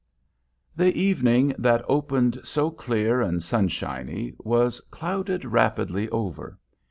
The evening that opened so clear and sunshiny has clouded rapidly over.